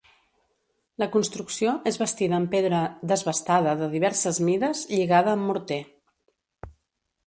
La construcció és bastida amb pedra desbastada de diverses mides, lligada amb morter.